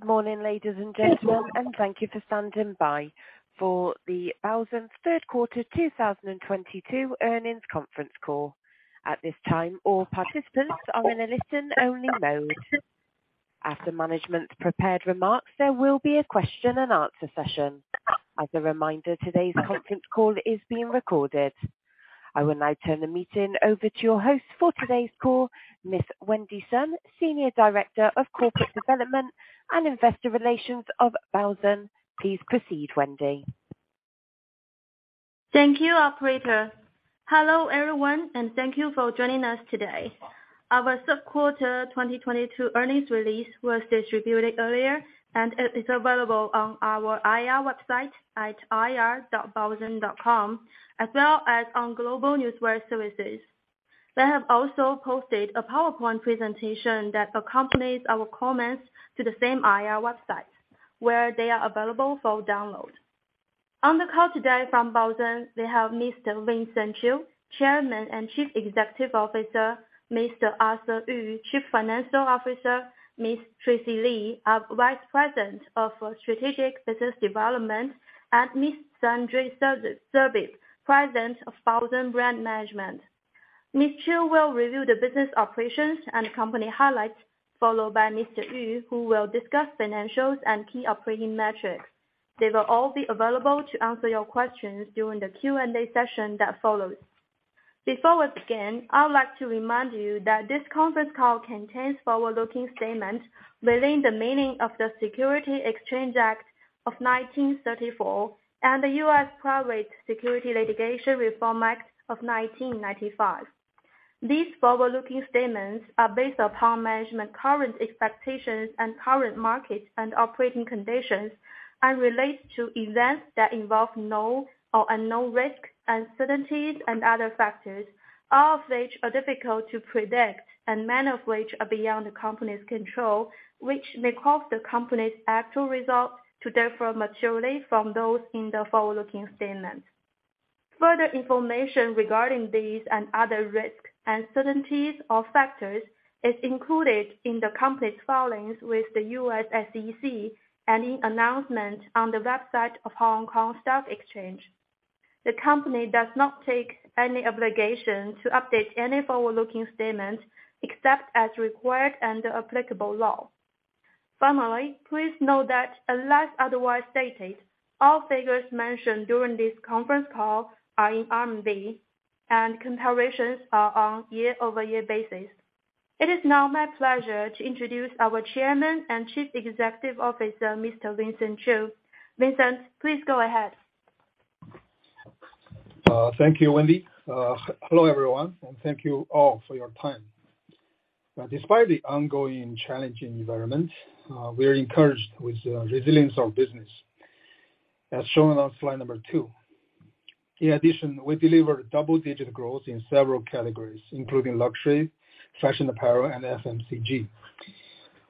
Good morning, ladies and gentlemen, thank you for standing by for the Baozun third quarter 2022 earnings conference call. At this time, all participants are in a listen-only mode. After management's prepared remarks, there will be a question and answer session. As a reminder, today's conference call is being recorded. I will now turn the meeting over to your host for today's call, Ms. Wendy Sun, Senior Director of Corporate Development and Investor Relations of Baozun. Please proceed, Wendy. Thank you, operator. Hello, everyone, and thank you for joining us today. Our third quarter 2022 earnings release was distributed earlier, and it is available on our IR website at ir.baozun.com, as well as on global newswire services. They have also posted a PowerPoint presentation that accompanies our comments to the same IR website, where they are available for download. On the call today from Baozun, we have Mr. Vincent Qiu, Chairman and Chief Executive Officer, Mr. Arthur Yu, Chief Financial Officer, Ms. Tracy Li, our Vice President of Strategic Business Development, and Ms. Sandrine Zerbib, President of Baozun Brand Management. Mr. Qiu will review the business operations and company highlights, followed by Mr. Yu, who will discuss financials and key operating metrics. They will all be available to answer your questions during the Q&A session that follows. Before we begin, I would like to remind you that this conference call contains forward-looking statements within the meaning of the Securities Exchange Act of 1934 and the U.S. Private Securities Litigation Reform Act of 1995. These forward-looking statements are based upon management current expectations and current market and operating conditions, relate to events that involve known or unknown risk, uncertainties, and other factors, all of which are difficult to predict and many of which are beyond the company's control, which may cause the company's actual results to differ materially from those in the forward-looking statements. Further information regarding these and other risks, uncertainties, or factors is included in the company's filings with the U.S. SEC, any announcement on the website of Hong Kong Stock Exchange. The company does not take any obligation to update any forward-looking statements except as required under applicable law. Finally, please note that unless otherwise stated, all figures mentioned during this conference call are in RMB, and comparisons are on year-over-year basis. It is now my pleasure to introduce our Chairman and Chief Executive Officer, Mr. Vincent Qiu. Vincent, please go ahead. Thank you, Wendy. Hello, everyone, thank you all for your time. Despite the ongoing challenging environment, we are encouraged with the resilience of business as shown on slide number two. In addition, we delivered double-digit growth in several categories, including luxury, fashion apparel, and FMCG.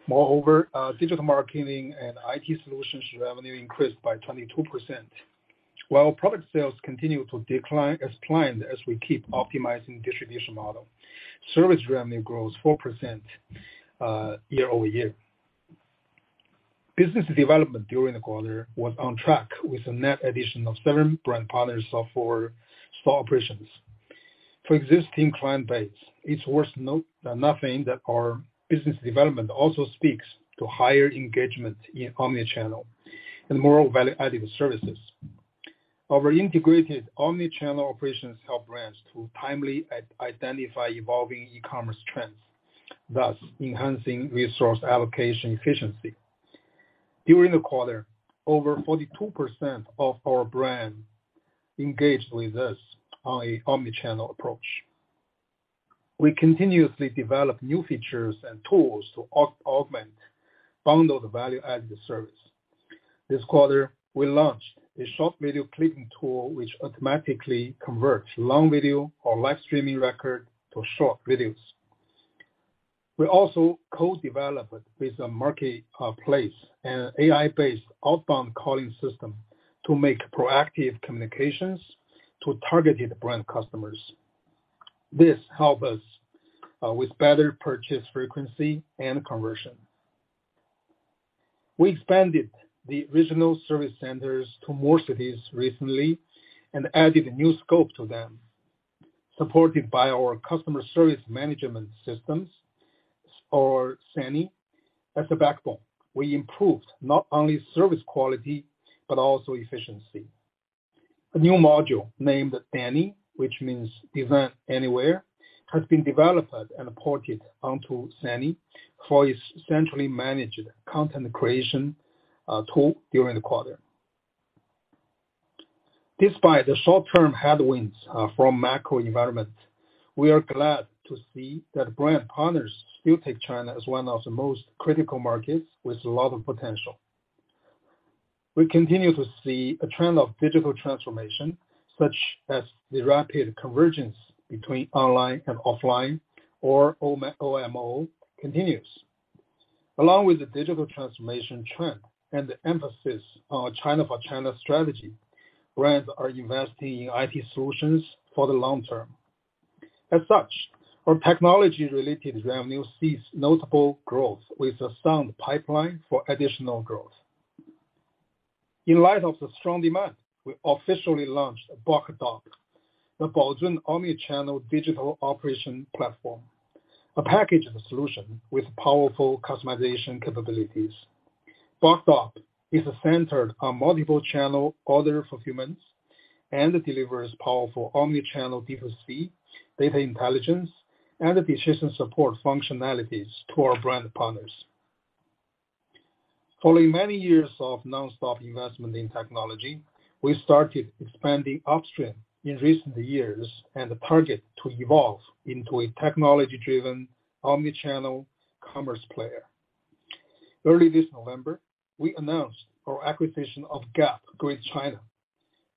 Moreover, digital marketing and IT solutions revenue increased by 22%. While product sales continue to decline as planned as we keep optimizing distribution model. Service revenue grows 4% year-over-year. Business development during the quarter was on track with a net addition of seven brand partners for store operations. For existing client base, it's worth note, nothing that our business development also speaks to higher engagement in omnichannel and more value-added services. Our integrated omnichannel operations help brands to timely identify evolving e-commerce trends, thus enhancing resource allocation efficiency. During the quarter, over 42% of our brand engaged with us on a omnichannel approach. We continuously develop new features and tools to augment bundled value-added service. This quarter, we launched a short video clipping tool which automatically converts long video or live streaming record to short videos. We also co-developed with the marketplace an AI-based outbound calling system to make proactive communications to targeted brand customers. This help us with better purchase frequency and conversion. We expanded the regional service centers to more cities recently and added a new scope to them, supported by our customer service management systems or SANI as the backbone. We improved not only service quality, but also efficiency. A new module named SANI, which means event anywhere, has been developed and ported onto SANI for a centrally managed content creation tool during the quarter. Despite the short-term headwinds from macro environment, we are glad to see that brand partners still take China as one of the most critical markets with a lot of potential. We continue to see a trend of digital transformation, such as the rapid convergence between online and offline or OMO continues. Along with the digital transformation trend and the emphasis on China for China strategy, brands are investing in IT solutions for the long term. As such, our technology related revenue sees notable growth with a sound pipeline for additional growth. In light of the strong demand, we officially launched BOCDOP, the Baozun Omni-Channel Digital Operation Platform, a package solution with powerful customization capabilities. BOCDOP is a center on multiple channel order fulfillments, and it delivers powerful omni-channel 360 data intelligence and decision support functionalities to our brand partners. Following many years of non-stop investment in technology, we started expanding upstream in recent years as a target to evolve into a technology-driven omni-channel commerce player. Early this November, we announced our acquisition of Gap Greater China,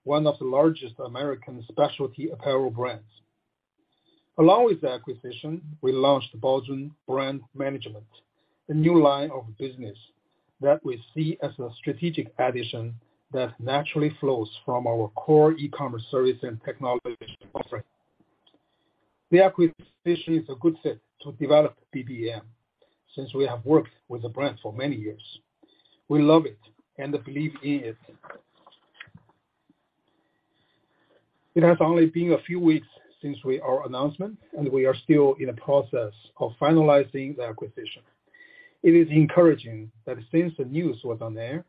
one of the largest American specialty apparel brands. Along with the acquisition, we launched Baozun Brand Management, a new line of business that we see as a strategic addition that naturally flows from our core e-commerce service and technology offering. The acquisition is a good fit to develop BBM since we have worked with the brand for many years. We love it and believe in it. It has only been a few weeks since our announcement. We are still in the process of finalizing the acquisition. It is encouraging that since the news was on air,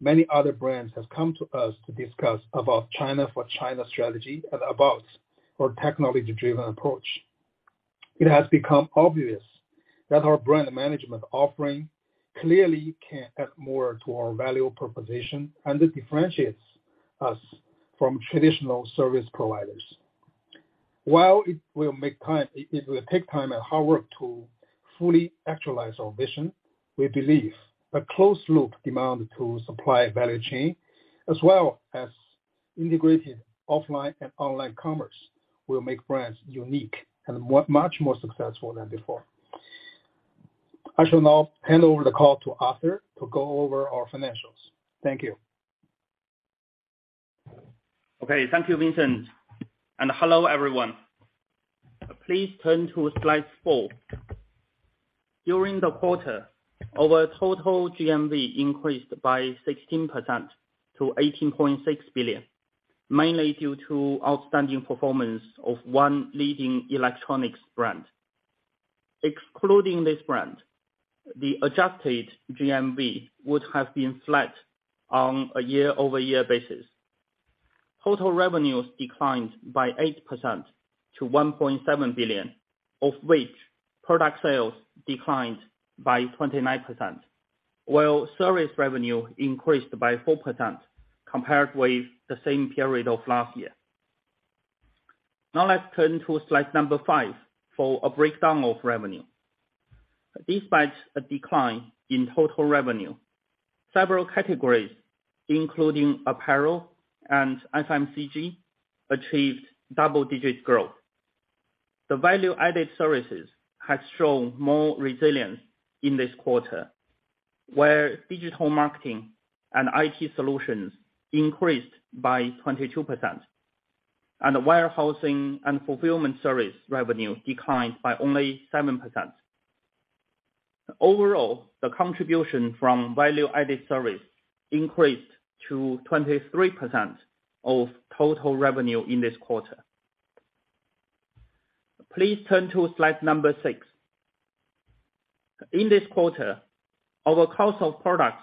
many other brands has come to us to discuss about China for China strategy and about our technology-driven approach. It has become obvious that our brand management offering clearly can add more to our value proposition, and it differentiates us from traditional service providers. While it will take time and hard work to fully actualize our vision, we believe a closed loop demand to supply value chain, as well as integrated offline and online commerce, will make brands unique and much more successful than before. I shall now hand over the call to Arthur to go over our financials. Thank you. Okay. Thank you, Vincent. Hello, everyone. Please turn to slide four. During the quarter, our total GMV increased by 16% to 18.6 billion, mainly due to outstanding performance of 1 leading electronics brand. Excluding this brand, the adjusted GMV would have been flat on a year-over-year basis. Total revenues declined by 8% to 1.7 billion, of which product sales declined by 29%, while service revenue increased by 4% compared with the same period of last year. Now let's turn to slide five for a breakdown of revenue. Despite a decline in total revenue, several categories, including apparel and FMCG, achieved double-digit growth. The value-added services has shown more resilience in this quarter, where digital marketing and IT solutions increased by 22% and the warehousing and fulfillment service revenue declined by only 7%. Overall, the contribution from value-added service increased to 23% of total revenue in this quarter. Please turn to slide number six. In this quarter, our cost of products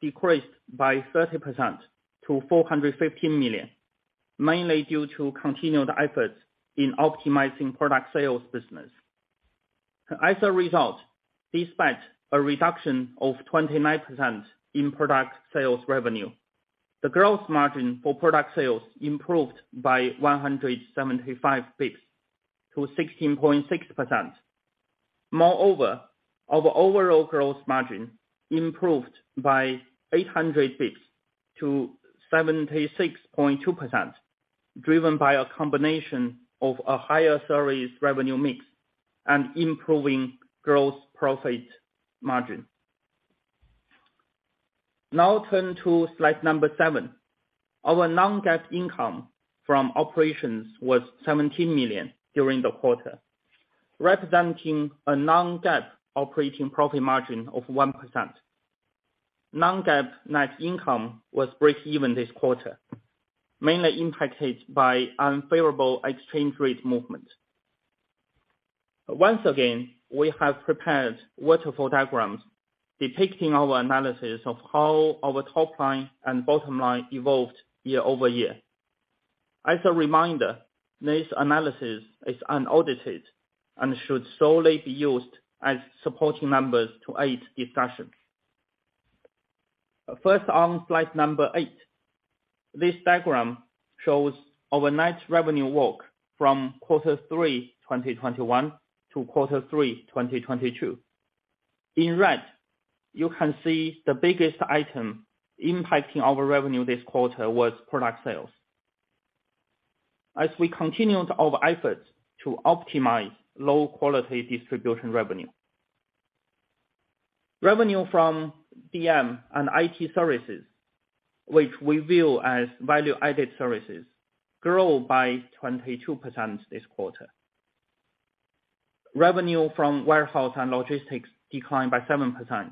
decreased by 30% to 450 million, mainly due to continued efforts in optimizing product sales business. As a result, despite a reduction of 29% in product sales revenue, the gross margin for product sales improved by 175 basis points to 16.6%. Moreover, our overall gross margin improved by 800 basis points to 76.2% driven by a combination of a higher service revenue mix and improving gross profit margin. Turn to slide number seven. Our non-GAAP income from operations was 17 million during the quarter, representing a non-GAAP operating profit margin of 1%. Non-GAAP net income was breakeven this quarter, mainly impacted by unfavorable exchange rate movement. Once again, we have prepared waterfall diagrams depicting our analysis of how our top line and bottom line evolved year-over-year. As a reminder, this analysis is unaudited and should solely be used as supporting numbers to aid discussion. First on slide number eight. This diagram shows our net revenue walk from Q3 2021 to Q3 2022. In red, you can see the biggest item impacting our revenue this quarter was product sales. As we continued our efforts to optimize low quality distribution revenue. Revenue from DM and IT services, which we view as value-added services, grow by 22% this quarter. Revenue from warehouse and logistics declined by 7%,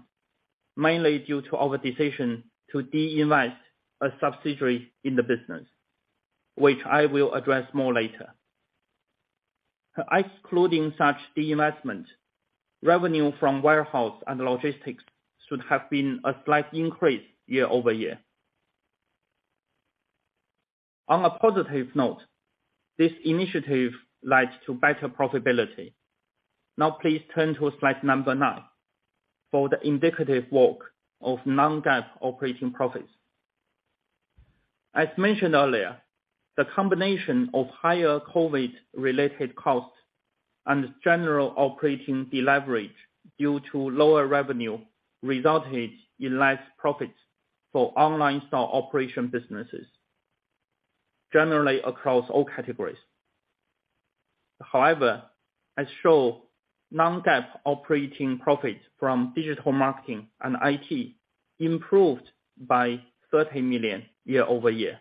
mainly due to our decision to de-invest a subsidiary in the business, which I will address more later. Excluding such de-investment, revenue from warehouse and logistics should have been a slight increase year-over-year. On a positive note, this initiative led to better profitability. Please turn to slide number nine for the indicative work of non-GAAP operating profits. As mentioned earlier, the combination of higher COVID-related costs and general operating deleverage due to lower revenue resulted in less profits for online store operation businesses, generally across all categories. As shown, non-GAAP operating profits from digital marketing and IT improved by RMB 30 million year-over-year.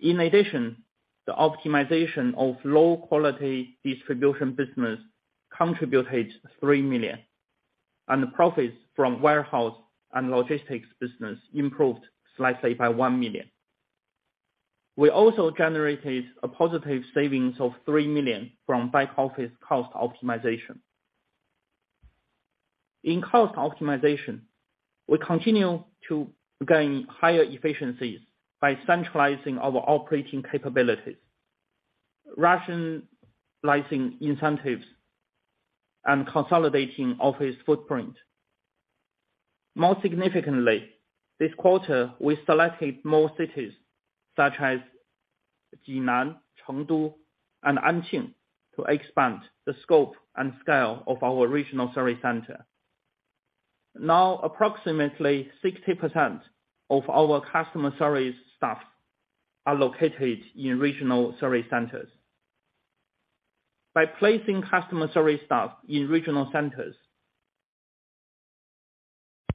The optimization of low quality distribution business contributed 3 million, and the profits from warehouse and logistics business improved slightly by 1 million. We also generated a positive savings of 3 million from back-office cost optimization. In cost optimization, we continue to gain higher efficiencies by centralizing our operating capabilities, rationalizing incentives, and consolidating office footprint. More significantly, this quarter, we selected more cities such as Jinan, Chengdu, and Anqing to expand the scope and scale of our regional service center. Now, approximately 60% of our customer service staff are located in regional service centers. By placing customer service staff in regional centers,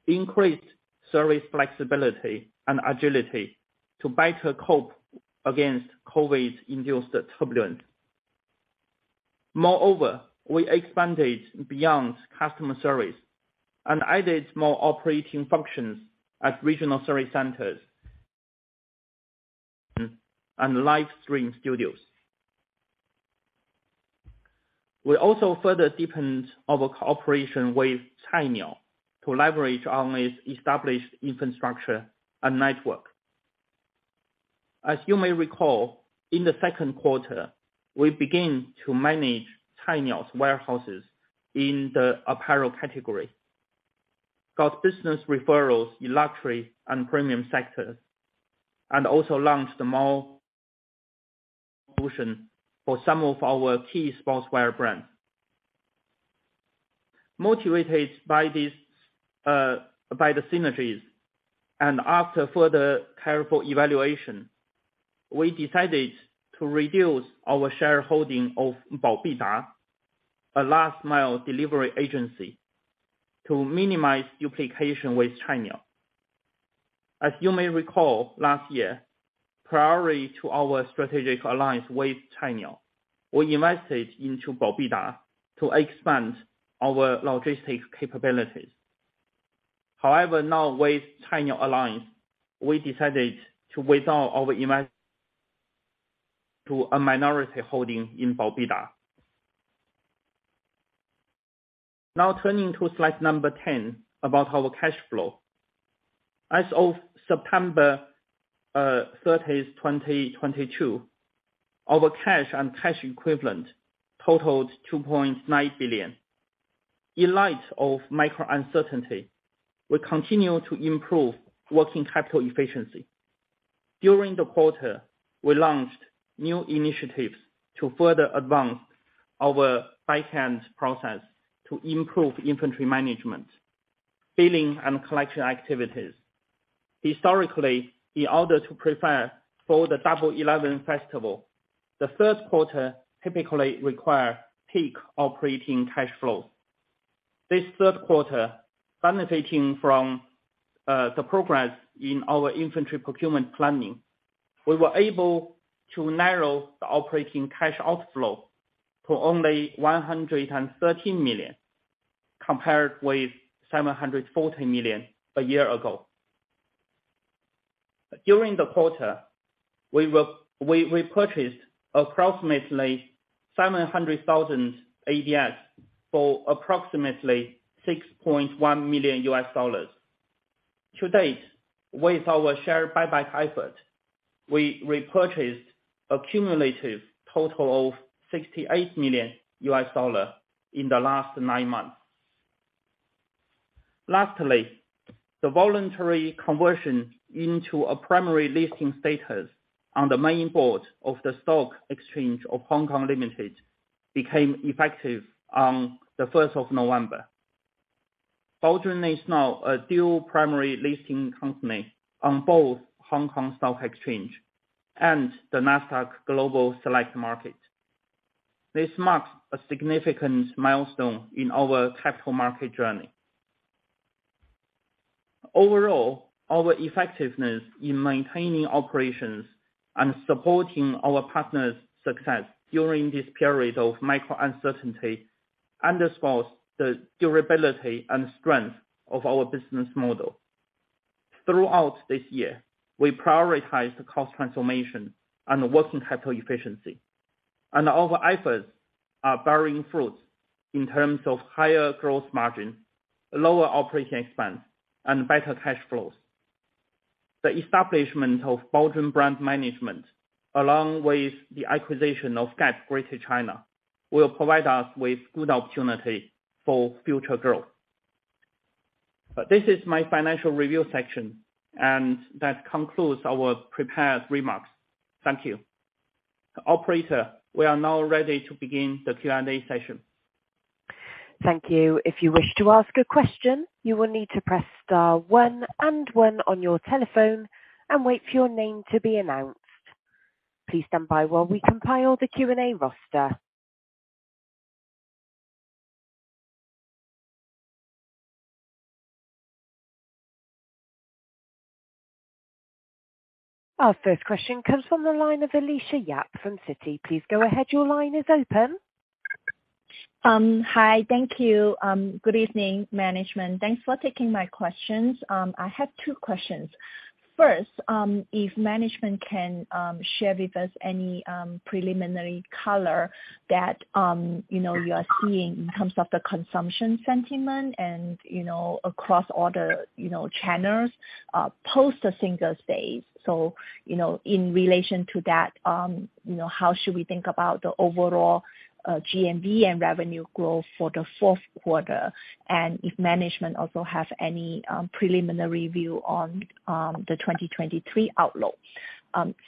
increased service flexibility and agility to better cope against COVID-induced turbulent. Moreover, we expanded beyond customer service and added more operating functions at regional service centers and live stream studios. We also further deepened our cooperation with Cainiao to leverage on its established infrastructure and network. As you may recall, in the second quarter, we began to manage Cainiao's warehouses in the apparel category, got business referrals in luxury and premium sectors, and also launched more solution for some of our key sportswear brands. Motivated by this, by the synergies and after further careful evaluation, we decided to reduce our shareholding of Baobida, a last mile delivery agency, to minimize duplication with Cainiao. As you may recall, last year, priority to our strategic alliance with Cainiao, we invested into Baobida to expand our logistics capabilities. Now with Cainiao alliance, we decided to withdraw our invest to a minority holding in Baobida. Now turning to slide number 10 about our cash flow. As of September 30th, 2022, our cash and cash equivalent totaled 2.9 billion. In light of macro uncertainty, we continue to improve working capital efficiency. During the quarter, we launched new initiatives to further advance our back-end process to improve inventory management, billing, and collection activities. Historically, in order to prepare for the Double 11 festival, the third quarter typically require peak operating cash flow. This third quarter, benefiting from the progress in our inventory procurement planning, we were able to narrow the operating cash outflow to only $113 million, compared with $740 million a year ago. During the quarter, we purchased approximately 700,000 ADS for approximately $6.1 million. To date, with our share buyback effort, we repurchased a cumulative total of $68 million U.S. Dollar in the last nine months. Lastly, the voluntary conversion into a primary listing status on the main board of The Stock Exchange of Hong Kong Limited became effective on the first of November. Baozun is now a dual primary listing company on both Hong Kong Stock Exchange and the Nasdaq Global Select Market. This marks a significant milestone in our capital market journey. Overall, our effectiveness in maintaining operations and supporting our partners' success during this period of macro uncertainty underscores the durability and strength of our business model. Throughout this year, we prioritized the cost transformation and working capital efficiency. Our efforts are bearing fruit in terms of higher gross margin, lower operating expense, and better cash flows. The establishment of Baozun Brand Management, along with the acquisition of Gap Greater China, will provide us with good opportunity for future growth. This is my financial review section, and that concludes our prepared remarks. Thank you. Operator, we are now ready to begin the Q&A session. Thank you. If you wish to ask a question, you will need to press star one and one on your telephone and wait for your name to be announced. Please stand by while we compile the Q&A roster. Our first question comes from the line of Alicia Yap from Citi. Please go ahead. Your line is open. Hi. Thank you. Good evening, management. Thanks for taking my questions. I have two questions. First, if management can share with us any preliminary color that, you know, you are seeing in terms of the consumption sentiment and, you know, across all the, you know, channels post the Singles' Day. In relation to that, you know, how should we think about the overall GMV and revenue growth for the fourth quarter? If management also have any preliminary view on the 2023 outlook.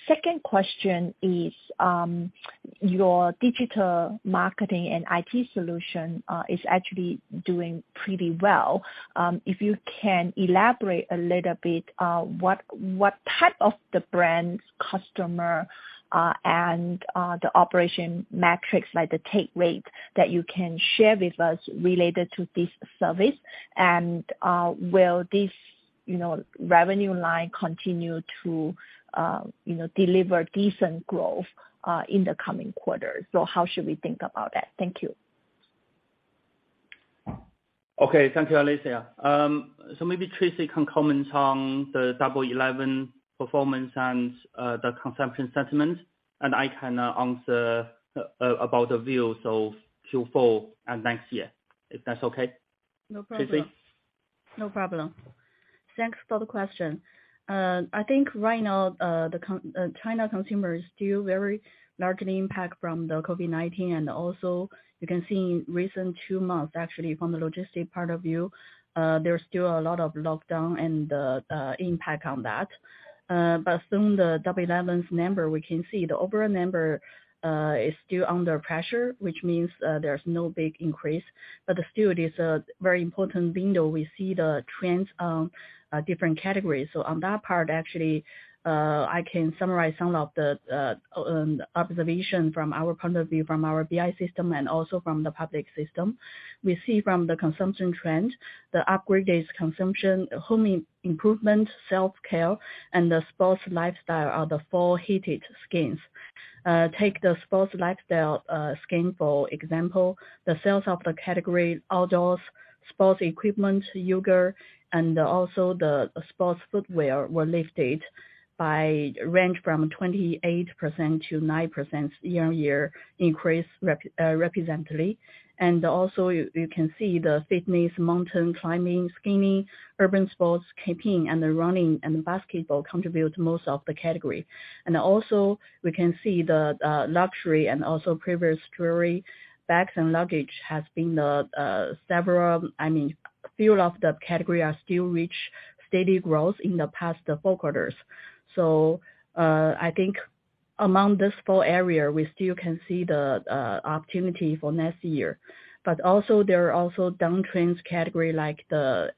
Second question is, your digital marketing and IT solution is actually doing pretty well. If you can elaborate a little bit, what type of the brand customer, and, the operation metrics, like the take rate, that you can share with us related to this service. Will this, you know, revenue line continue to, you know, deliver decent growth in the coming quarter? How should we think about that? Thank you. Okay. Thank you, Alicia. Maybe Tracy can comment on the Double 11 performance and the consumption sentiment, and I can answer about the views of Q4 and next year, if that's okay. No problem. Tracy? No problem. Thanks for the question. I think right now, the China consumer is still very largely impact from the COVID-19. Also you can see in recent two months, actually from the logistic part of view, there's still a lot of lockdown and impact on that. From the Double 11s number, we can see the overall number is still under pressure, which means there's no big increase. Still, it is a very important window. We see the trends on different categories. On that part, actually, I can summarize some of the observation from our point of view, from our BI system and also from the public system. We see from the consumption trend, the upgraded consumption, home improvement, self-care, and the sports lifestyle are the four heated themes. Take the sports lifestyle, skin, for example. The sales of the category outdoors, sports equipment, yoga, and also the sports footwear were lifted by range from 28% to 9% year-over-year increase. You can see the fitness, mountain climbing, skiing, urban sports, camping and the running and basketball contribute most of the category. We can see the luxury and also previous jewelry, bags and luggage has been the few of the category are still reach steady growth in the past four quarters. I think among this four area, we still can see the opportunity for next year. There are also downtrends category like the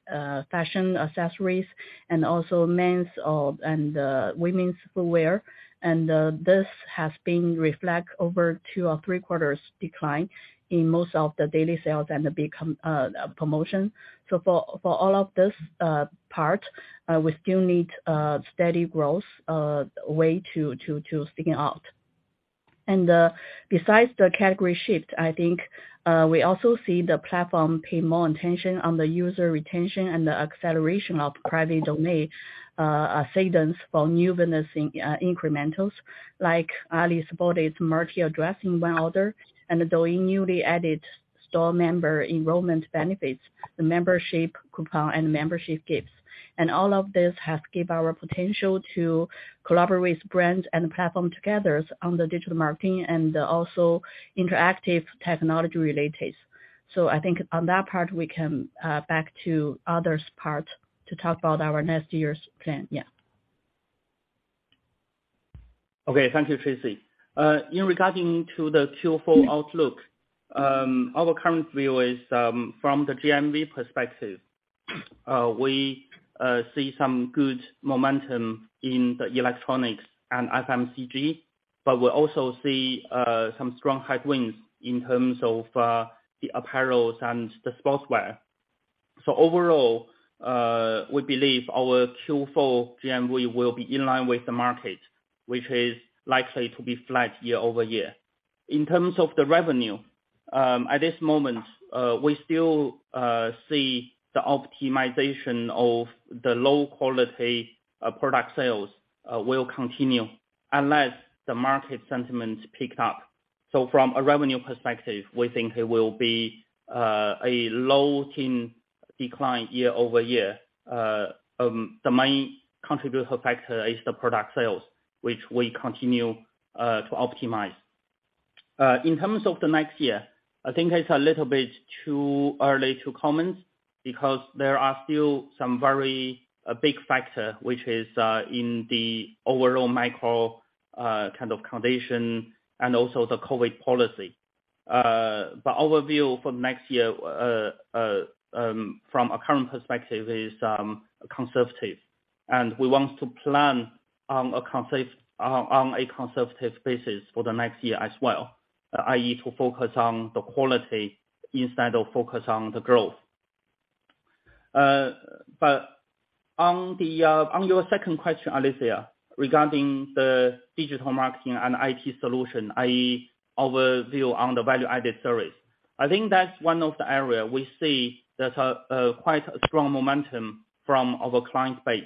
fashion accessories and also men's and the women's footwear. This has been reflect over two or three quarters decline in most of the daily sales and the big promotion. For all of this part, we still need a steady growth way to sticking out. Besides the category shift, I think we also see the platform pay more attention on the user retention and the acceleration of private domain segments for new business in incrementals, like Alibaba supported multi-address in one order, and the newly added store member enrollment benefits, the membership coupon and membership gifts. All of this has give our potential to collaborate with brand and platform together on the digital marketing and also interactive technology related. I think on that part, we can back to others part to talk about our next year's plan. Yeah. Okay. Thank you, Tracy. In regarding to the Q4 outlook, our current view is, from the GMV perspective, we see some good momentum in the electronics and FMCG, but we also see some strong headwinds in terms of the apparels and the sportswear. Overall, we believe our Q4 GMV will be in line with the market, which is likely to be flat year-over-year. In terms of the revenue, at this moment, we still see the optimization of the low quality product sales will continue unless the market sentiment picked up. From a revenue perspective, we think it will be a low-teen decline year-over-year. The main contributor factor is the product sales, which we continue to optimize. In terms of the next year, I think it's a little bit too early to comment because there are still some very big factor, which is in the overall macro kind of condition and also the COVID policy. Our view for next year from a current perspective is conservative, and we want to plan on a conservative basis for the next year as well, i.e., to focus on the quality instead of focus on the growth. On your second question, Alicia, regarding the digital marketing and IT solution, i.e., our view on the value-added service, I think that's one of the area we see that quite a strong momentum from our client base.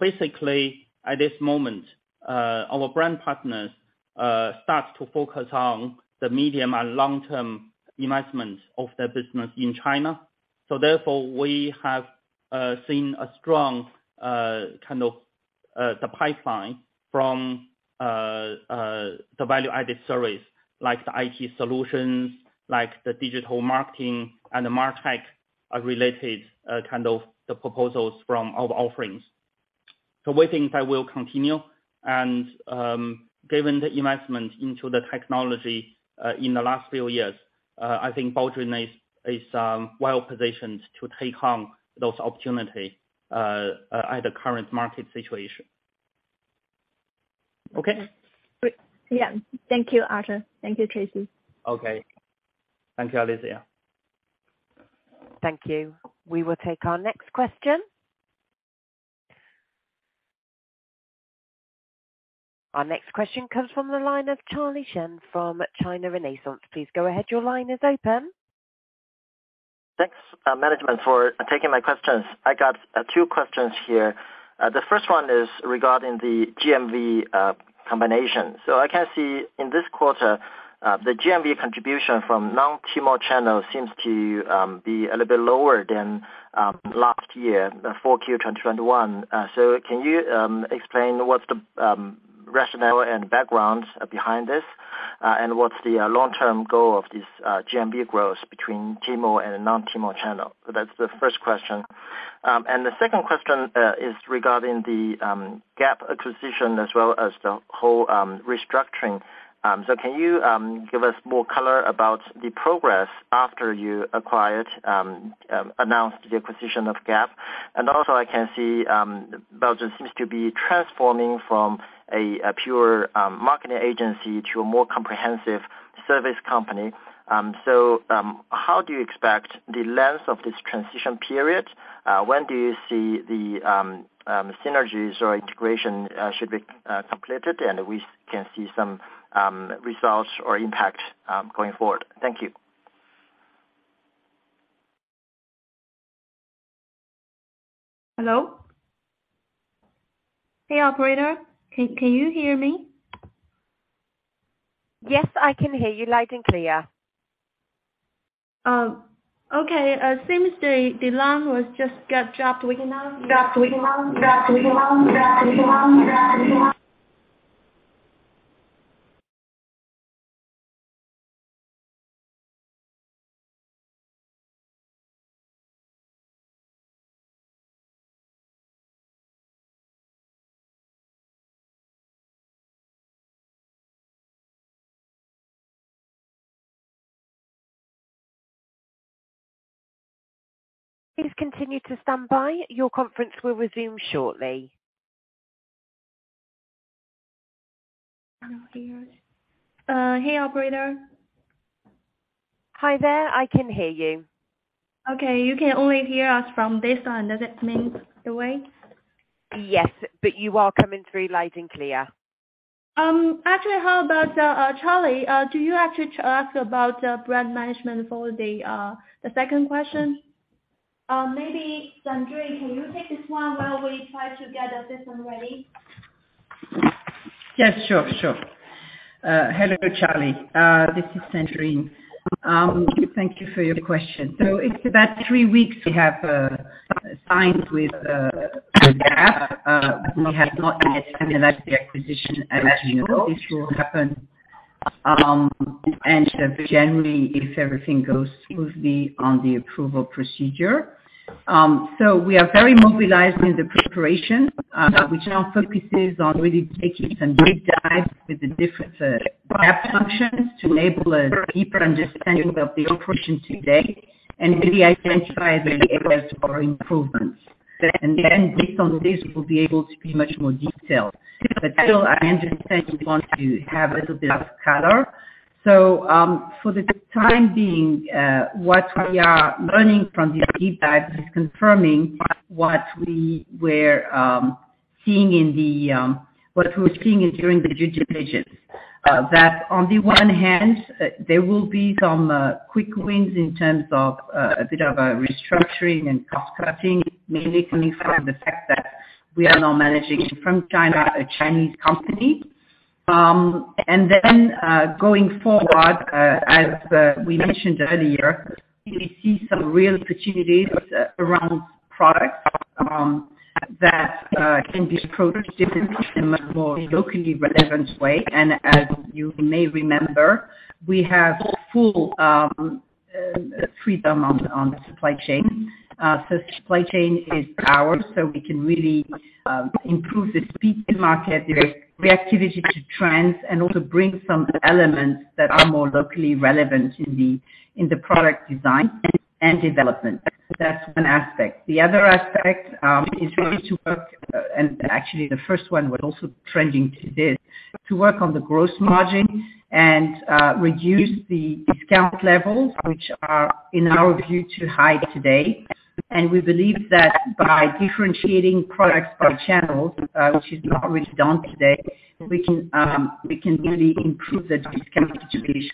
Basically, at this moment, our brand partners start to focus on the medium and long-term investment of their business in China. Therefore, we have seen a strong kind of the pipeline from the value-added service, like the IT solutions, like the digital marketing and the MarTech related kind of the proposals from our offerings. We think that will continue and given the investment into the technology in the last few years, I think Baozun group is well-positioned to take on those opportunities at the current market situation. Okay. Yeah. Thank you, Arthur. Thank you, Tracy. Okay. Thank you, Alicia. Thank you. We will take our next question. Our next question comes from the line of Charlie Chen from China Renaissance. Please go ahead. Your line is open. Thanks, management for taking my questions. I got two questions here. The first one is regarding the GMV combination. I can see in this quarter, the GMV contribution from non-Tmall channel seems to be a little bit lower than last year, the Q4 2021. Can you explain what's the rationale and background behind this? What's the long-term goal of this GMV growth between Tmall and non-Tmall channel? That's the first question. The second question is regarding the Gap acquisition as well as the whole restructuring. Can you give us more color about the progress after you announced the acquisition of Gap? I can see Baozun Group seems to be transforming from a pure marketing agency to a more comprehensive service company. How do you expect the length of this transition period? When do you see the synergies or integration should be completed and we can see some results or impact going forward? Thank you. Hello? Hey, operator. Can you hear me? Yes, I can hear you loud and clear. Okay. Seems the line was just got dropped right now. Please continue to stand by. Your conference will resume shortly. Hey, operator. Hi there. I can hear you. Okay. You can only hear us from this end. Does it mean the way? Yes, but you are coming through loud and clear. Actually, how about Charlie, do you actually ask about brand management for the second question? Maybe Sandrine, can you take this one while we try to get the system ready? Yes, sure. Sure. Hello, Charlie. This is Sandrine. Thank you for your question. It's about three weeks we have signed with Gap. We have not yet finalized the acquisition as you know. This will happen. Generally, if everything goes smoothly on the approval procedure. We are very mobilized in the preparation, which now focuses on really taking some big dives with the different Gap functions to enable a deeper understanding of the operation today and really identify the areas for improvements. Then based on this, we'll be able to be much more detailed. Still, I understand you want to have a little bit of color. For the time being, what we are learning from this deep dive is confirming what we were seeing during the due diligence. On the one hand, there will be some quick wins in terms of a bit of a restructuring and cost-cutting, mainly coming from the fact that we are now managing from China, a Chinese company. Then, going forward, as we mentioned earlier, we see some real opportunities around products that can be approached differently in a much more locally relevant way. As you may remember, we have full freedom on the supply chain. Supply chain is ours, we can really improve the speed to market, the reactivity to trends, and also bring some elements that are more locally relevant in the product design and development. The other aspect is really to work, and actually the first one, we're also trending to this, to work on the gross margin and reduce the discount levels, which are, in our view, too high today. We believe that by differentiating products by channels, which is not really done today, we can really improve the discount situation.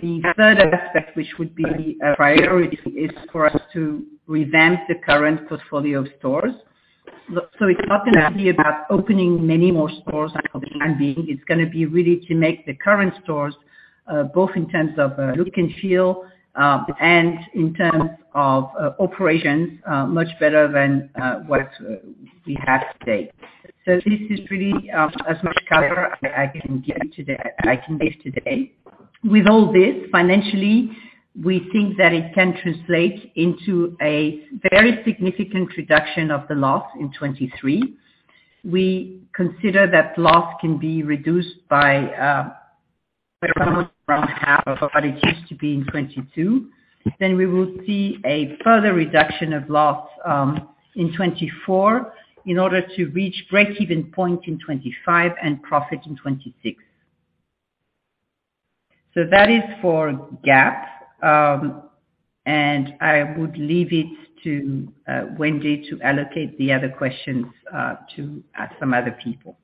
The third aspect, which would be a priority, is for us to revamp the current portfolio of stores. It's not gonna be about opening many more stores for the time being. It's gonna be really to make the current stores, both in terms of, look and feel, and in terms of, operations, much better than what we have today. This is really as much color I can give today. With all this, financially, we think that it can translate into a very significant reduction of the loss in 2023. We consider that loss can be reduced by around half of what it used to be in 2022. We will see a further reduction of loss in 2024 in order to reach break-even point in 2025 and profit in 2026. That is for Gap. I would leave it to Wendy to allocate the other questions to some other people.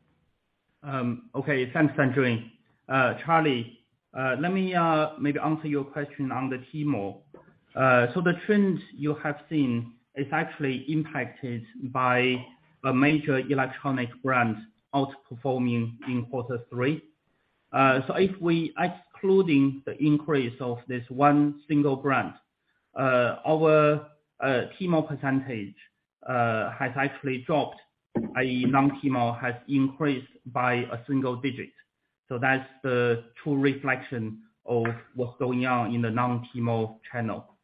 Okay. Thanks, Sandrine. Charlie, let me maybe answer your question on the Tmall. The trends you have seen is actually impacted by a major electronic brand outperforming in quarter three. Excluding the increase of this one single brand, our Tmall percentage has actually dropped. IE, non-Tmall has increased by a single digit. That's the true reflection of what's going on in the non-Tmall channel.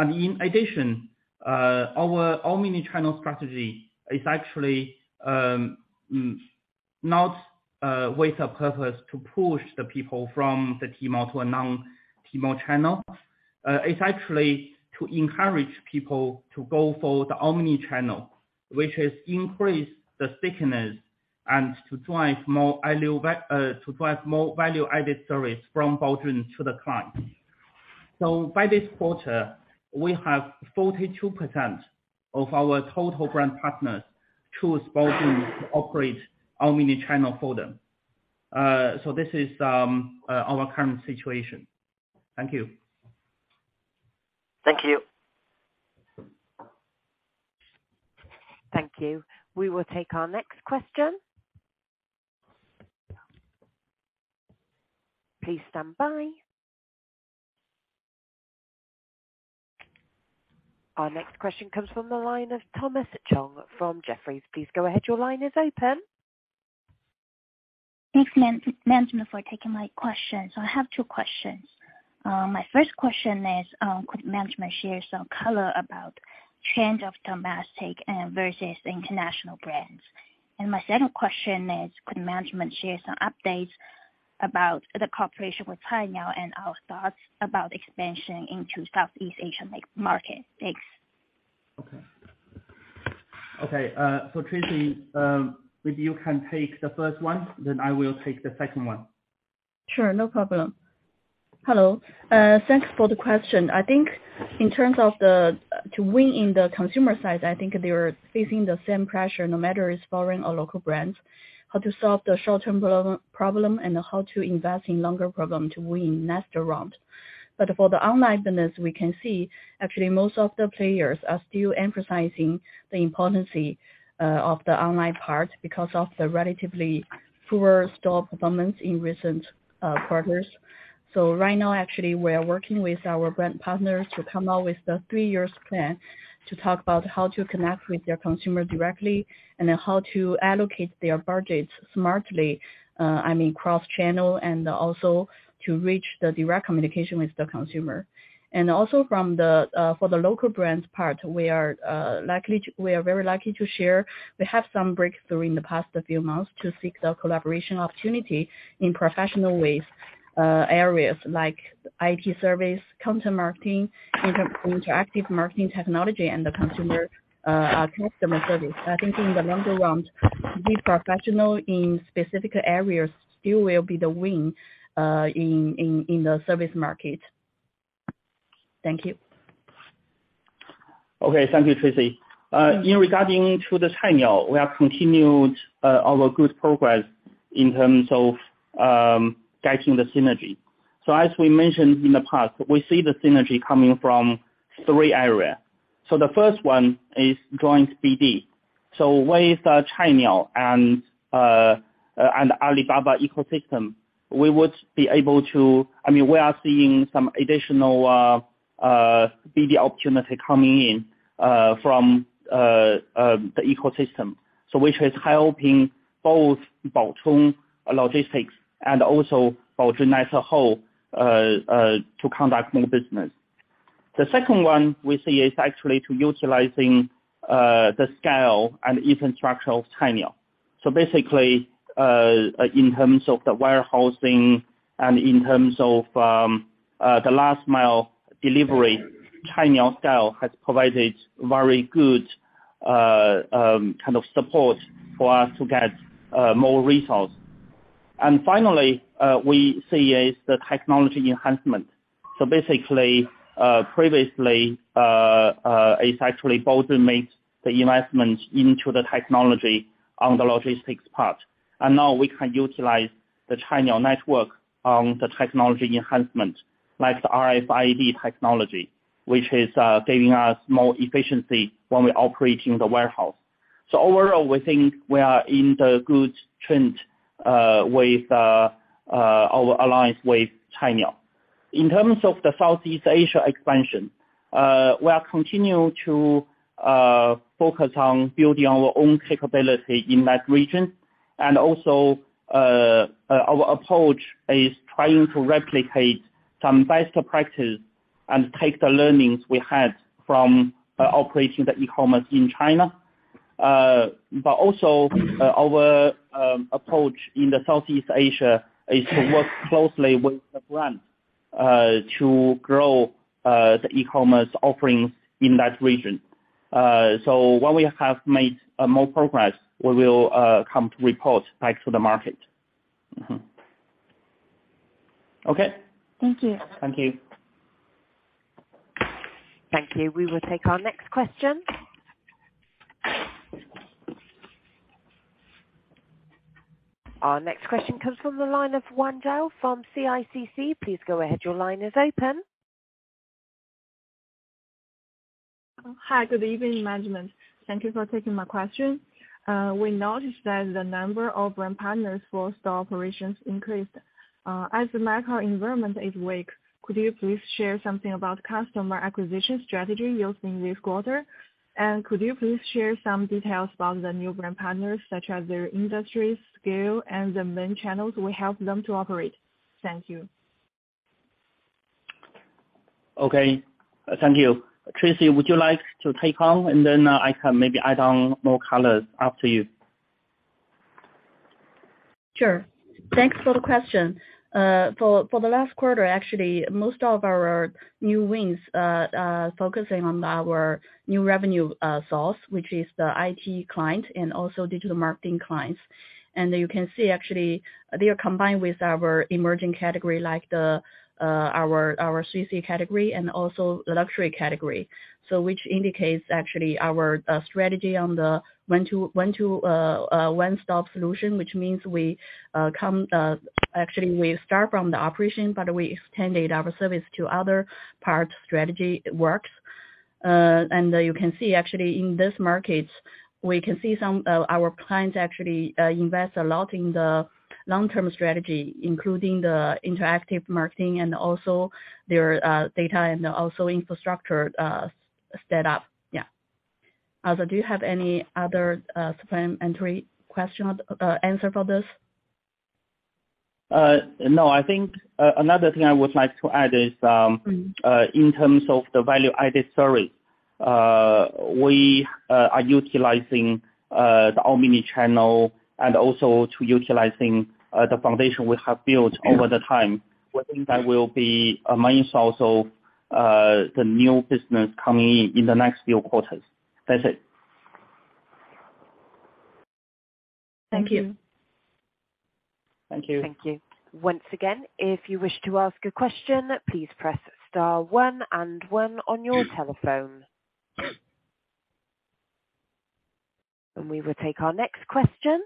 In addition, our omni-channel strategy is actually not with a purpose to push the people from the Tmall to a non-Tmall channel. It's actually to encourage people to go for the omni-channel, which has increased the thickness and to drive more value-added service from Baozun to the client. By this quarter, we have 42% of our total brand partners choose Baozun to operate omni-channel for them. This is our current situation. Thank you. Thank you. Thank you. We will take our next question. Please stand by. Our next question comes from the line of Thomas Chong from Jefferies. Please go ahead. Your line is open. Thanks management for taking my question. I have two questions. My first question is, could management share some color about change of domestic and versus international brands? My second question is, could management share some updates about the cooperation with Cainiao and our thoughts about expansion into Southeast Asian like market? Thanks. Okay. Okay. Tracy, if you can take the first one, I will take the second one. Sure. No problem. Hello. Thanks for the question. I think in terms of to win in the consumer side, I think they are facing the same pressure no matter it's foreign or local brands, how to solve the short-term problem and how to invest in longer problem to win next round. For the online business, we can see actually most of the players are still emphasizing the importance of the online part because of the relatively poor store performance in recent quarters. Right now, actually, we are working with our brand partners to come out with the three years plan to talk about how to connect with their consumer directly and then how to allocate their budgets smartly, I mean, cross-channel and also to reach the direct communication with the consumer. Also from the for the local brands part, we are very likely to share. We have some breakthrough in the past few months to seek the collaboration opportunity in professional ways, areas like IT service, counter-marketing, inter-interactive marketing technology, and the customer service. I think in the longer run, these professional in specific areas still will be the win in the service market. Thank you. Okay. Thank you, Tracy. In regarding to the Cainiao, we have continued our good progress in terms of getting the synergy. As we mentioned in the past, we see the synergy coming from three area. The first one is joint BD. With Cainiao and Alibaba ecosystem, I mean, we are seeing some additional BD opportunity coming in from the ecosystem. Which is help`ing both Baotong logistics and also Baotong as a whole to conduct more business. The second one we see is actually to utilizing the scale and infrastructure of Cainiao. Basically, in terms of the warehousing and in terms of the last mile delivery, Cainiao scale has provided very good kind of support for us to get more results. Finally, we see is the technology enhancement. Basically, previously, it's actually Baotong made the investment into the technology on the logistics part, and now we can utilize the Cainiao network on the technology enhancement, like the RFID technology, which is giving us more efficiency when we're operating the warehouse. Overall, we think we are in the good trend with our alliance with Cainiao. In terms of the Southeast Asia expansion, we are continue to focus on building our own capability in that region. Our approach is trying to replicate some best practice and take the learnings we had from operating the e-commerce in China. Our approach in Southeast Asia is to work closely with the brand to grow the e-commerce offerings in that region. When we have made more progress, we will come to report back to the market. Mm-hmm. Okay. Thank you. Thank you. Thank you. We will take our next question. Our next question comes from the line of Wang Zhihao from CICC. Please go ahead. Your line is open. Hi. Good evening, management. Thank you for taking my question. We noticed that the number of brand partners for store operations increased. As the macro environment is weak, could you please share something about customer acquisition strategy used in this quarter? Could you please share some details about the new brand partners, such as their industry, scale, and the main channels will help them to operate? Thank you. Okay. Thank you. Tracy, would you like to take on, and then I can maybe add on more colors after you. Sure. Thanks for the question. For the last quarter, actually, most of our new wins focusing on our new revenue source, which is the IT client and also digital marketing clients. You can see actually they are combined with our emerging category like the our 3C category and also the luxury category. Which indicates actually our strategy on the one-stop solution, which means we actually we start from the operation, but we extended our service to other parts strategy works. You can see actually in this market, we can see some our clients actually invest a lot in the long-term strategy, including the interactive marketing and also their data and also infrastructure set up. Do you have any other supplementary question, answer for this? No. I think another thing I would like to add is, in terms of the value-added service, we are utilizing the omni-channel and also to utilizing the foundation we have built over the time. We think that will be a main source of the new business coming in in the next few quarters. That's it. Thank you. Thank you. Thank you. Once again, if you wish to ask a question, please press star one and one on your telephone. We will take our next question.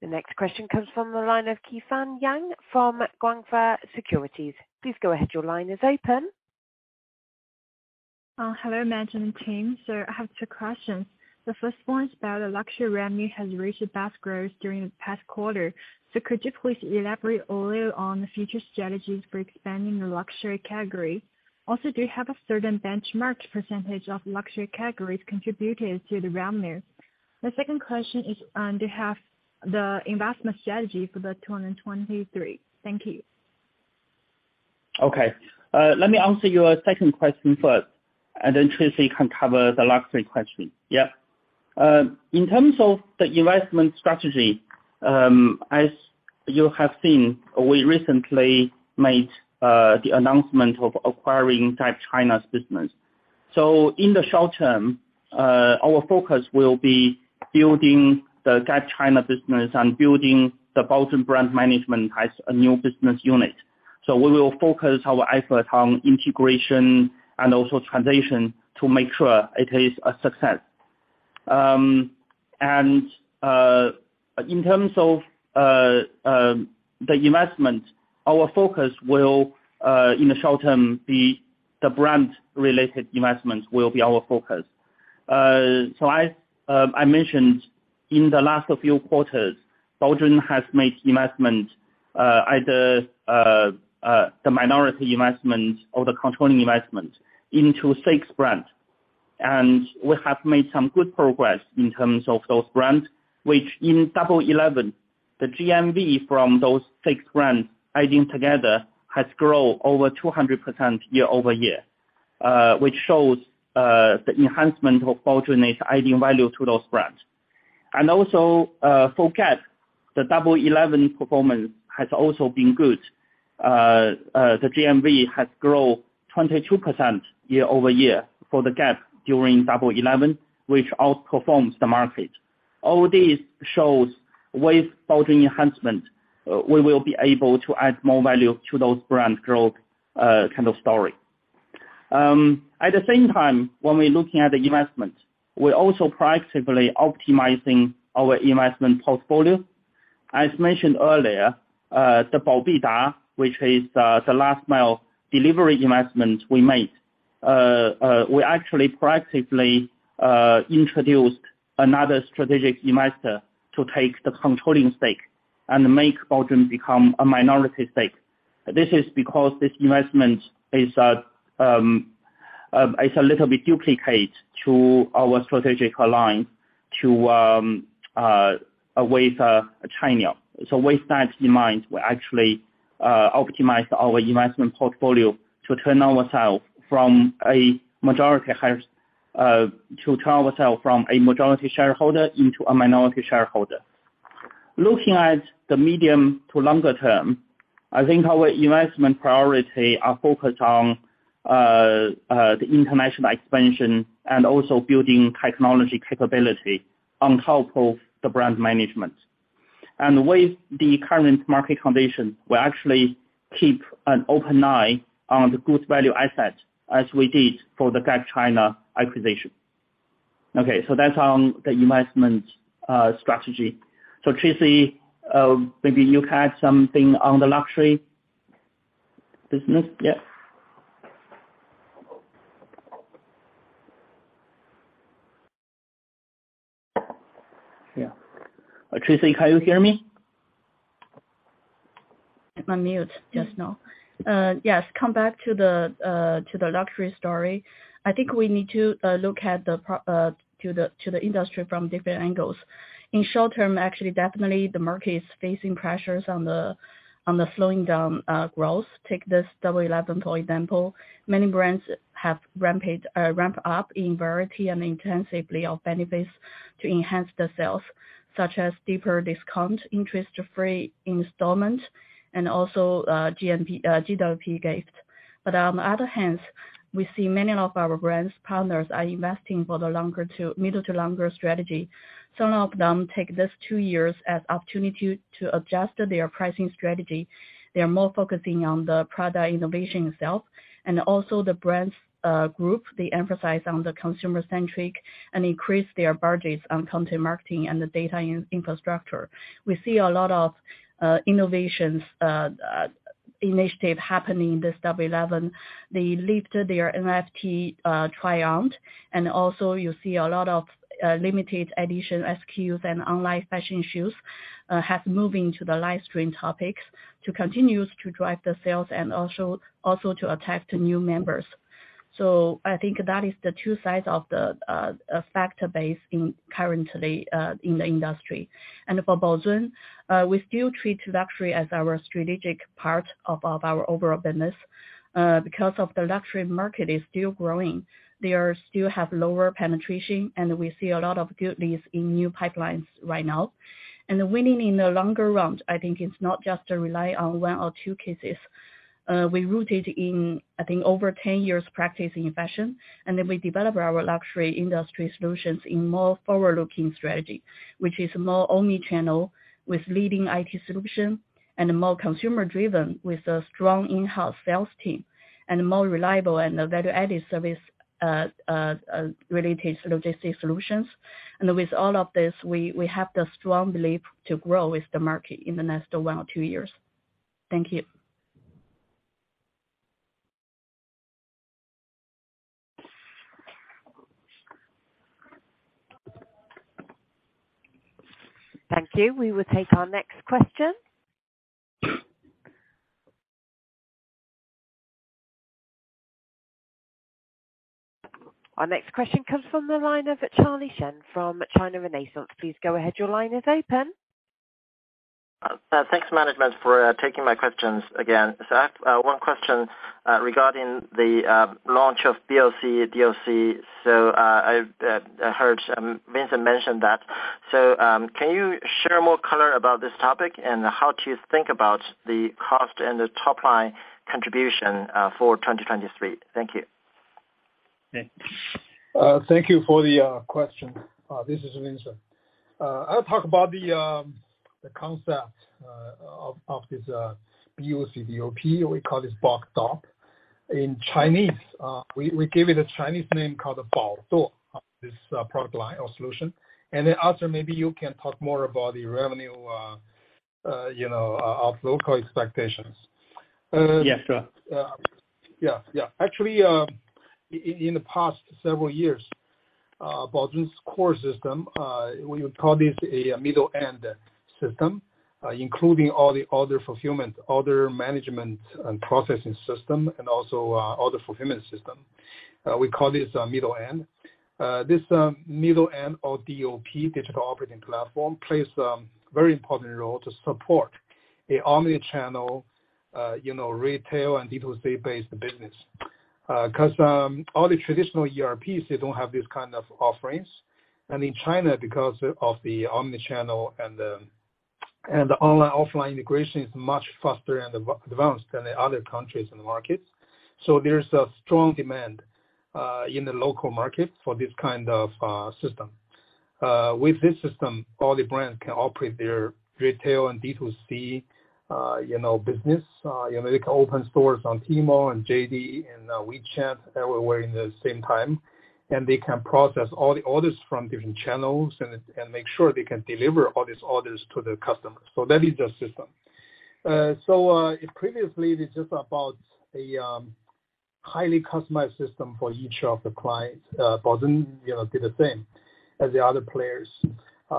The next question comes from the line of Kesong Yang from GF Securities. Please go ahead. Your line is open. Hello management team. I have two questions. The first one is about the luxury revenue has reached the best growth during the past quarter. Could you please elaborate a little on the future strategies for expanding the luxury category? Also, do you have a certain benchmark percentage of luxury categories contributed to the revenue? The second question is, do you have the investment strategy for 2023? Thank you. Okay. Let me answer your second question first, and then Tracy can cover the luxury question. In terms of the investment strategy, as you have seen, we recently made the announcement of acquiring Gap China's business. In the short term, our focus will be building the Gap China business and building the Baozun Brand Management as a new business unit. We will focus our effort on integration and also transition to make sure it is a success. In terms of the investment, our focus will in the short term be the brand related investment will be our focus. I mentioned in the last few quarters, Baozun has made investment, either the minority investment or the controlling investment into six brand. We have made some good progress in terms of those brands, which in Double 11, the GMV from those six brands adding together has grown over 200% year-over-year, which shows the enhancement of Baozun is adding value to those brands. Also, for Gap, the Double 11 performance has also been good. The GMV has grown 22% year-over-year for the Gap during Double 11, which outperforms the market. All this shows with Baozun enhancement, we will be able to add more value to those brand growth kind of story. At the same time, when we're looking at the investment, we're also proactively optimizing our investment portfolio. As mentioned earlier, the Baobida, which is the last mile delivery investment we made, we actually proactively introduced another strategic investor to take the controlling stake and make Baozun become a minority stake. This is because this investment is a little bit duplicate to our strategic align to with China. With that in mind, we actually optimize our investment portfolio to turn ourselves from a majority shareholder into a minority shareholder. Looking at the medium to longer term, I think our investment priority are focused on the international expansion and also building technology capability on top of the brand management. With the current market condition, we actually keep an open eye on the good value asset as we did for the Gap China acquisition. Okay, that's on the investment strategy. Tracy, maybe you have something on the luxury business. Yeah. Yeah. Tracy, can you hear me? I'm on mute just now. Come back to the luxury story. I think we need to look at the industry from different angles. In short term, actually definitely the market is facing pressures on the slowing down growth. Take this Double 11, for example. Many brands have ramped up in variety and intensively of benefits to enhance the sales, such as deeper discount, interest-free installment, and also GWP gifts. On the other hand, we see many of our brands partners are investing for the middle to longer strategy. Some of them take this two years as opportunity to adjust their pricing strategy. They are more focusing on the product innovation itself. The brands group, they emphasize on the consumer-centric and increase their budgets on content marketing and the data infrastructure. We see a lot of innovations initiative happening this Double 11. They lifted their NFT triumphed. You see a lot of limited edition SKUs and online fashion shoes have moved into the live stream topics to continue to drive the sales and also to attract new members. I think that is the two sides of the factor base in currently in the industry. For Baozun, we still treat luxury as our strategic part of our overall business because of the luxury market is still growing. They are still have lower penetration, and we see a lot of good leads in new pipelines right now. Winning in the longer run, I think it's not just to rely on one or two cases. We rooted in, I think, over 10 years practicing fashion, and then we develop our luxury industry solutions in more forward-looking strategy, which is more omni-channel with leading IT solution and more consumer-driven with a strong in-house sales team and more reliable and value-added service related logistic solutions. With all of this, we have the strong belief to grow with the market in the next one or two years. Thank you. Thank you. We will take our next question. Our next question comes from the line of Charlie Chen from China Renaissance. Please go ahead. Your line is open. Thanks management for taking my questions again. I have one question regarding the launch of BOCDOP. I heard Vincent mention that. Can you share more color about this topic and how to think about the cost and the top line contribution for 2023? Thank you. Thank you for the question. This is Vincent. I'll talk about the concept of this BOCDOP. We call this BOCDOP. In Chinese, we give it a Chinese name called the Bǎoduò, this product line or solution. Arthur, maybe you can talk more about the revenue, you know, of local expectations. Yes, sure. Yeah. Yeah. Actually, in the past several years, Baozun's core system, we would call this a middleware system, including all the order fulfillment, order management and processing system and also, order fulfillment system. We call this a middleware. This, middleware or DOP, digital operating platform, plays a very important role to support a omni-channel, you know, retail and D2C-based business. 'Cause all the traditional ERPs, they don't have this kind of offerings. In China, because of the omni-channel and the, and the online offline integration is much faster and advanced than the other countries and markets. There's a strong demand in the local market for this kind of system. With this system, all the brands can operate their retail and D2C, you know, business. You know, they can open stores on Tmall and JD and WeChat everywhere in the same time, and they can process all the orders from different channels and make sure they can deliver all these orders to the customers. That is the system. Previously, this is about a highly customized system for each of the clients. Baozun, you know, did the same as the other players.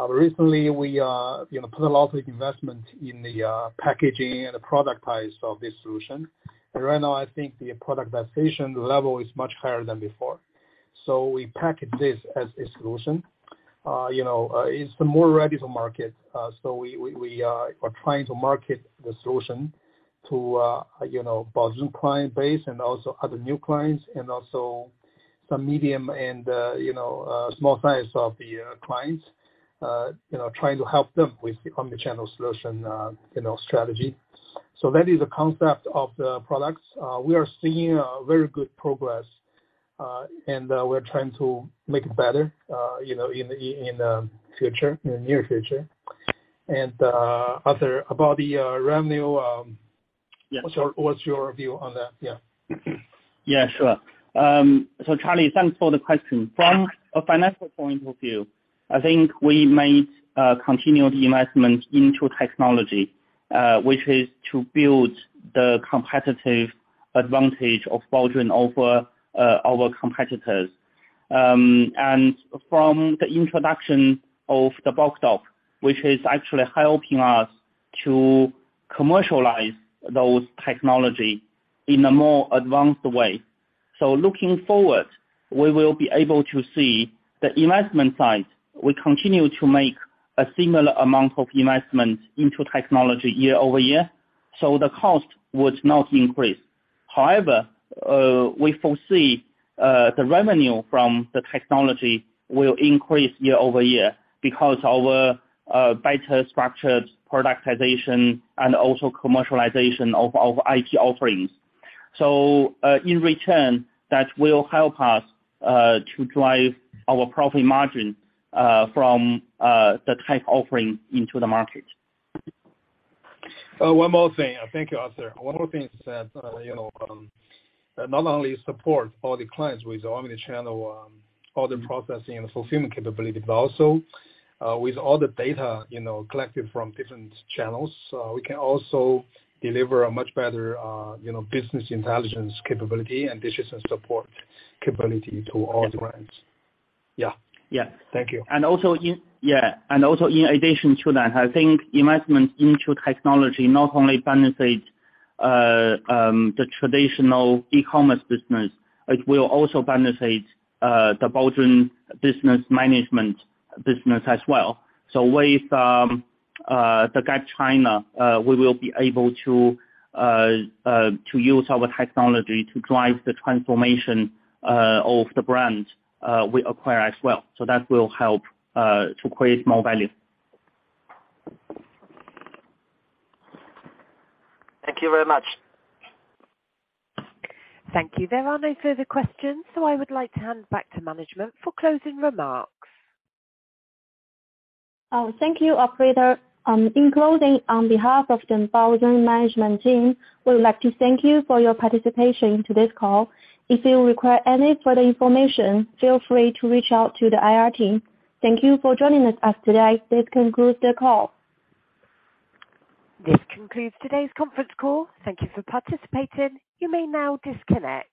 Recently we, you know, put a lot of investment in the packaging and the product price of this solution. Right now, I think the productization level is much higher than before. We package this as a solution. You know, it's more ready for market. We are trying to market the solution to, you know, Baozun client base and also other new clients and also some medium and, you know, small size of the clients, you know, trying to help them with the omni-channel solution, you know, strategy. That is the concept of the products. We are seeing a very good progress. We're trying to make it better, you know, in the future, in the near future. Arthur, about the revenue. Yes. What's your view on that? Yeah. Yeah, sure. Charlie, thanks for the question. From a financial point of view, I think we made continued investment into technology, which is to build the competitive advantage of Baozun over our competitors. From the introduction of the BOCDOP, which is actually helping us to commercialize those technology in a more advanced way. Looking forward, we will be able to see the investment side. We continue to make a similar amount of investment into technology year-over-year, the cost would not increase. However, we foresee the revenue from the technology will increase year-over-year because our better structured productization and also commercialization of IT offerings. In return, that will help us to drive our profit margin from the tech offering into the market. One more thing. Thank you, Arthur. One more thing is that, you know, not only support all the clients with omni-channel, order processing and fulfillment capability, but also, with all the data, you know, collected from different channels. We can also deliver a much better, you know, business intelligence capability and decision support capability to all the brands. Yeah. Yeah. Thank you. In addition to that, I think investment into technology not only benefits the traditional e-commerce business, it will also benefit the Baozun Brand Management business as well. With Gap China, we will be able to use our technology to drive the transformation of the brand we acquire as well. That will help to create more value. Thank you very much. Thank you. There are no further questions. I would like to hand back to management for closing remarks. Thank you, operator. In closing, on behalf of the Baozun management team, we would like to thank you for your participation to this call. If you require any further information, feel free to reach out to the IR team. Thank you for joining us today. This concludes the call. This concludes today's conference call. Thank you for participating. You may now disconnect.